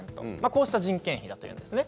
こうした人件費だというんです。